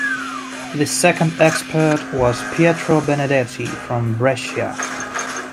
The second expert was Pietro Benedetti from Brescia.